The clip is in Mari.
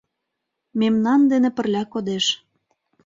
Мемнан дене пырля кодеш.